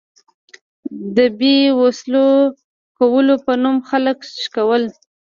د بې وسلو کولو په نوم خلک شکول.